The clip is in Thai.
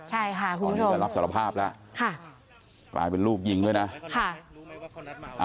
ใช่ค่ะคุณผู้ชมตอนนี้จะรับสารภาพแล้วค่ะกลายเป็นรูปยิงด้วยนะค่ะ